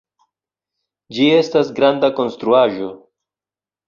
Ĝi estas granda konstruaĵo